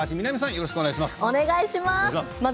よろしくお願いします。